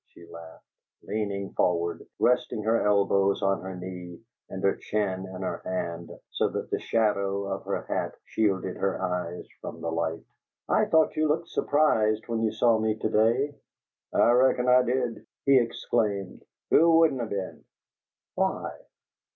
She laughed, leaning forward, resting her elbows on her knee, and her chin in her hand, so that the shadow of her hat shielded her eyes from the light. "I thought you looked surprised when you saw me to day." "I reckon I did!" he exclaimed. "Who wouldn't of been?" "Why?"